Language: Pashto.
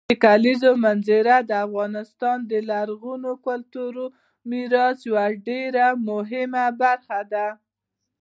د کلیزو منظره د افغانستان د لرغوني کلتوري میراث یوه ډېره مهمه برخه ده.